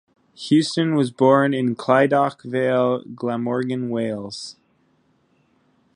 Houston was born in Clydach Vale, Glamorgan, Wales.